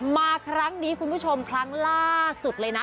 มาครั้งนี้คุณผู้ชมครั้งล่าสุดเลยนะ